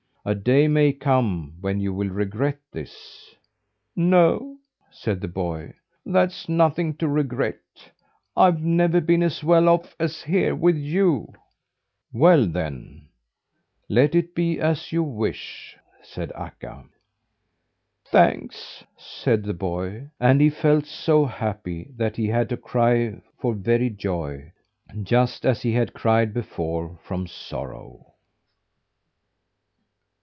A day may come when you will regret this." "No," said the boy, "that's nothing to regret. I have never been as well off as here with you." "Well then, let it be as you wish," said Akka. "Thanks!" said the boy, and he felt so happy that he had to cry for very joy just as he had cried before from sorrow.